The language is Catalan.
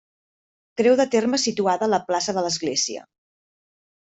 Creu de terme situada a la plaça de l'església.